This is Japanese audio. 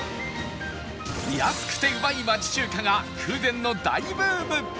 安くてうまい町中華が空前の大ブーム